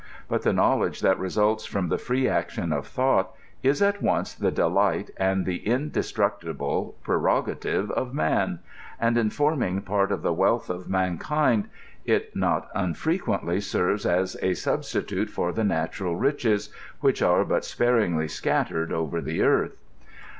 But the knowledge that result from the free action of thought is at once the delight, and the in destructible prerogative of man ; and in forming part of the wealth of mankind, it not unfirequently serves as a substitute for the natural riches, which are but sparingly scattered ovei the earth.